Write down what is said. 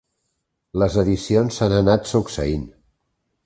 Les edicions s'han anat succeint.